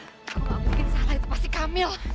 nggak mungkin salah itu pasti kamil